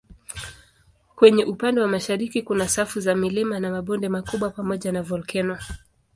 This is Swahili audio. Kwenye upande wa mashariki kuna safu za milima na mabonde makubwa pamoja na volkeno.